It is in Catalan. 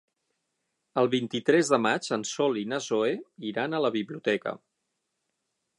El vint-i-tres de maig en Sol i na Zoè iran a la biblioteca.